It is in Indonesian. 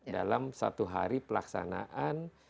dalam satu hari pelaksanaan